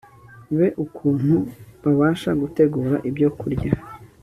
be ukuntu babasha gutegura ibyokurya